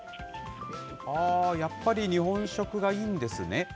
あー、やっぱり日本食がいいんですね。